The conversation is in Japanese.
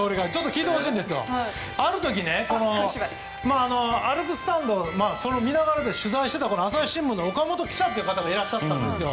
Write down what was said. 聞いてほしいんですけどもある時、アルプススタンドで見ながら取材をしていた朝日新聞の岡本記者という方がいらっしゃったんですよ。